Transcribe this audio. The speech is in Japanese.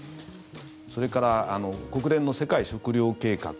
それから、国連の世界食糧計画。